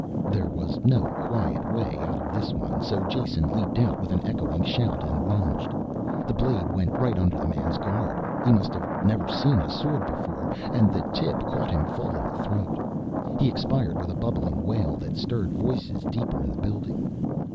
There was no quiet way out of this one so Jason leaped out with an echoing shout and lunged. The blade went right under the man's guard he must never have seen a sword before and the tip caught him full in the throat. He expired with a bubbling wail that stirred voices deeper in the building.